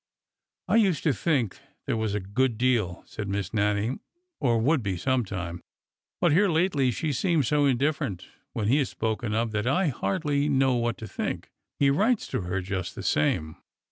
'' I used to think there was a good deal," said Miss Nannie, '' or would be sometime. But here, lately, she seems so indifferent when he is spoken of that I hardly know what to think. He writes to her, just the same."